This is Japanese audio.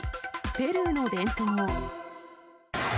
ペルーの伝統。